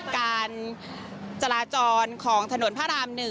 การจราจรของถนนพระราม๑